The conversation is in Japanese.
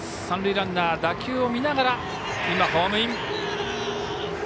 三塁ランナー打球を見ながら今、ホームイン。